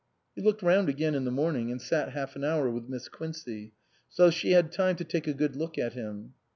He looked round again in the morning and sat half an hour with Miss Quincey ; so she had time to take a good look at him.